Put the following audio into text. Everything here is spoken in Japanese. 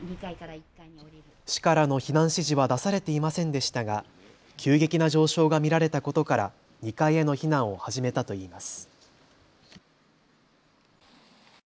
市からの避難指示は出されていませんでしたが急激な上昇が見られたことから２階への避難を始めたといいます。